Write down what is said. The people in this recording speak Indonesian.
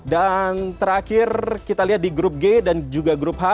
dan terakhir kita lihat di grup g dan juga grup h